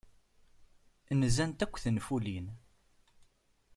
Nzant akk tenfulin.